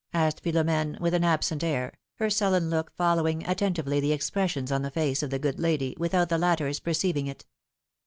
^^ asked Philom^ne, with an absent air, her sullen look following attentively the expressions on the face of the good lady, without the latter's perceiving it.